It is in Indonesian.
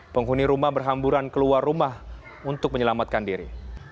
penghuni rumah berhamburan keluar rumah untuk menyelamatkan diri